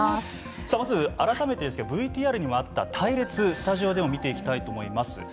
さあ、まず改めてですけどＶＴＲにもあった隊列、スタジオでも見ていきたいと思います。